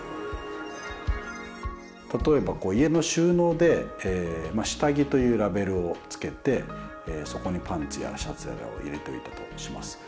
例えば家の収納で下着というラベルをつけてそこにパンツやらシャツやらを入れておいたとします。